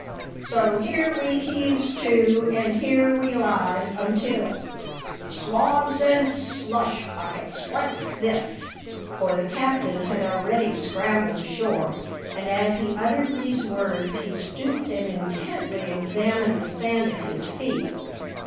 So here we heaves to, and here we lies until swabs an' slush buckets, what's this?" For the captain had already scrambled ashore, and as he uttered these words he stooped and intently examined the sand at his feet.